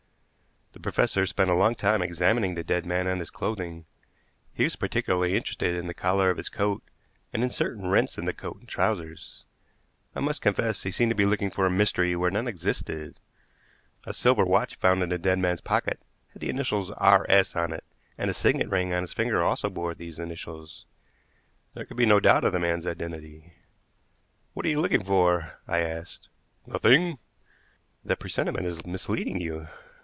The professor spent a long time examining the dead man and his clothing. He was particularly interested in the collar of his coat, and in certain rents in the coat and trousers. I must confess he seemed to be looking for a mystery where none existed. A silver watch found in the dead man's pocket had the initials "R. S." on it, and a signet ring on his finger also bore these initials. There could be no doubt of the man's identity. "What are you looking for?" I asked. "Nothing " "That presentiment is misleading you."